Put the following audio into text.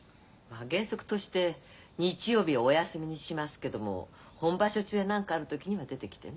原則として日曜日はお休みにしますけども本場所中や何かある時には出てきてね。